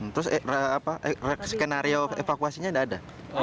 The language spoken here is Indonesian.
terus skenario evakuasinya ada